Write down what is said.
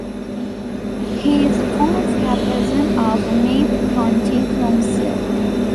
He is a former Chairperson of Meath County Council.